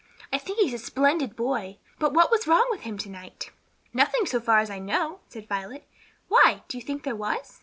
I think he's a splendid boy. But what was wrong with him to night?" "Nothing, so far as I know," said Violet "Why do you think there was?"